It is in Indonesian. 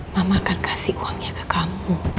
mama akan kasih uangnya ke kampung